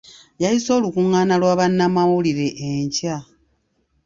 Yayise olukungaana lwa bannamawulire enkya.